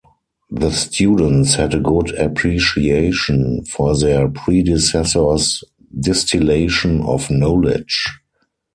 The students had a good appreciation for their predecessors' distillation of knowledge.